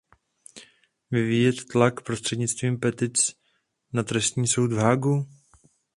Vyvíjet tlak prostřednictvím petic na trestní soud v Haagu?